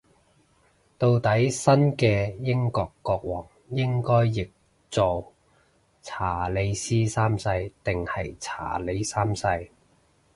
到底新嘅英國國王應該譯做查理斯三世定係查理三世